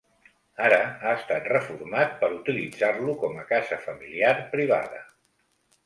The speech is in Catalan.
Ara ha estat reformat per utilitzar-lo com a casa familiar privada.